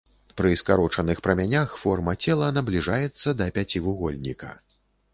Пры скарочаных прамянях форма цела набліжаецца да пяцівугольніка.